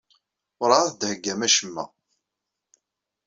Werɛad d-theyyam acemma.